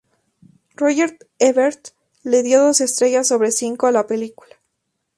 Roger Ebert le dio dos estrellas sobre cinco a la película.